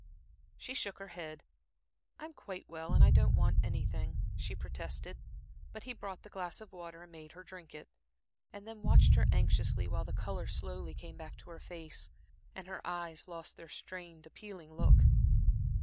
She shook her head. "I'm quite well, and I don't want anything," she protested, but he brought the glass of water and made her drink it, and then watched her anxiously, while the color slowly came back to her face, and her eyes lost their strained, appealing look.